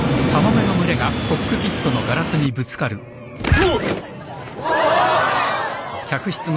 うわっ！